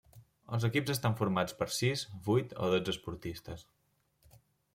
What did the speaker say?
Els equips estan formats per sis, vuit o dotze esportistes.